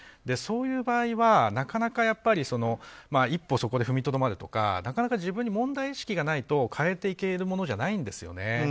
そういう場合はなかなか一歩、そこで踏みとどまるとか自分に問題意識がないと変えていけるものではないんですよね。